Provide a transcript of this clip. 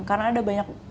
karena ada banyak